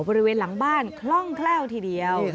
บริเวณหลังบ้านคล่องแคล่วทีเดียว